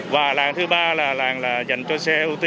và làng thứ ba là làng là dành cho xe ô tô